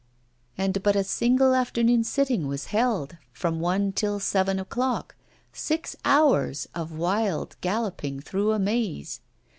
And but a single afternoon sitting was held, from one till seven o'clock six hours of wild galloping through a maze!